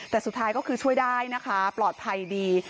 แต่สุดท้ายก็คือช่วยได้นะคะปลอดภัยดี